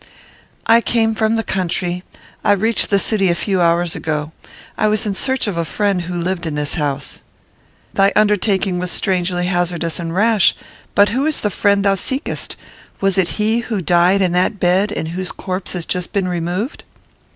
"I came from the country. I reached the city a few hours ago. I was in search of a friend who lived in this house." "Thy undertaking was strangely hazardous and rash; but who is the friend thou seekest? Was it he who died in that bed, and whose corpse has just been removed?"